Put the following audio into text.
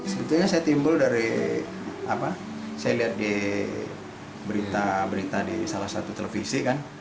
sebetulnya saya timbul dari apa saya lihat di berita berita di salah satu televisi kan